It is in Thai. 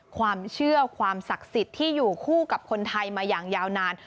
ความเชื่อความศักดิ์สิทธิ์ที่อยู่คู่กับคนไทยมาอย่างยาวนาน